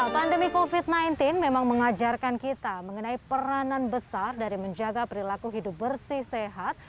pandemi covid sembilan belas memang mengajarkan kita mengenai peranan besar dari menjaga perilaku hidup bersih sehat